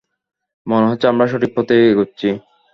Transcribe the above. মনে হচ্ছে আমরা সঠিক পথেই এগোচ্ছি।